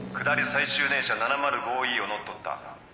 最終電車７０５Ｅを乗っ取った。